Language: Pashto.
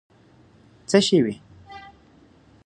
څه شوي؟